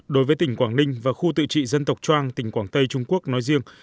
đối với tỉnh quảng ninh và khu tự trị dân tộc trang tỉnh quảng tây trung quốc nói riêng